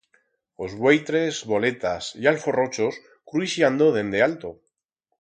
Os vueitres, voletas y alforrochos cruixiando dende alto.